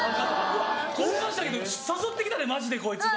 交換したけど「誘ってきたでマジでこいつ」とか。